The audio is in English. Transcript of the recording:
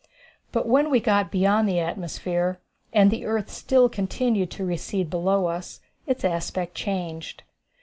But when we got beyond the atmosphere, and the earth still continued to recede below us, its aspect changed.